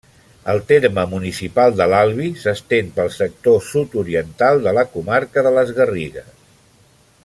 El terme municipal de l'Albi s'estén pel sector sud-oriental de la comarca de les Garrigues.